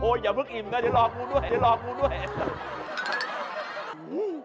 โอ้โฮอย่าบึกอิ่มก็จะรอมูลด้วย